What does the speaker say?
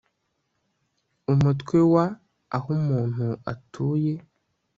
UMUTWE WA AHO UMUNTU ATUYE